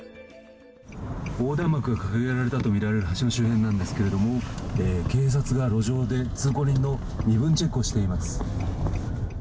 横断幕が掲げられたと見られる橋の周辺なんですけれども、警察が路上で通行人の身分チェックをしています。